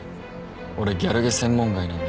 俺ギャルゲ専門外なんで。